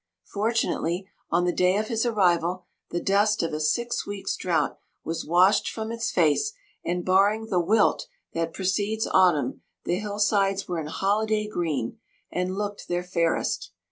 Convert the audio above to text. Fortunately, on the day of his arrival, the dust of a six weeks' drought was washed from its face, and, barring the wilt that precedes Autumn, the hill sides were in holiday green, and looked their fairest.